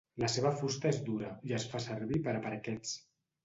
La seva fusta és dura i es fa servir per a parquets.